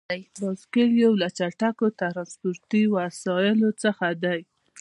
بایسکل یو له چټکو ترانسپورتي وسیلو څخه دی.